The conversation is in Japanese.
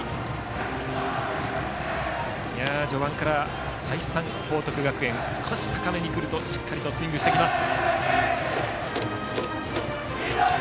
序盤から再三、報徳学園少し高めに来るとしっかりスイングしてきます。